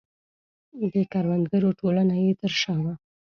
د کروندګرو ټولنه یې تر شا وه.